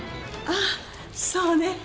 あっそうね。